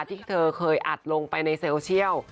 ที่เธอเคยอัดลงไปในโซเชียล